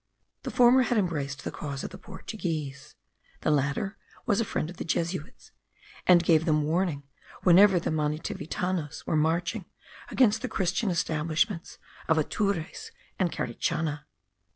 The former had embraced the cause of the Portuguese; the latter was a friend of the Jesuits, and gave them warning whenever the Manitivitanos were marching against the christian establishments of Atures and Carichana.